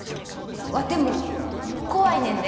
ワテも怖いねんで。